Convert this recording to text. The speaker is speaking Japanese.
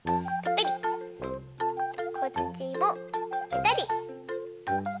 こっちもぺたり。